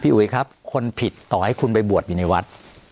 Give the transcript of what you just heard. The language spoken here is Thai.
อุ๋ยครับคนผิดต่อให้คุณไปบวชอยู่ในวัด